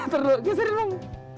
ntar dulu geserin dong